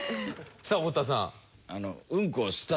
さあ太田さん。